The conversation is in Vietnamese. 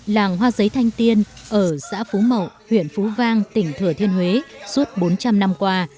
làng hoa giấy thanh tiên ở xã phú mậu huyện phú vang tỉnh thừa thiên huế suốt bốn trăm linh năm qua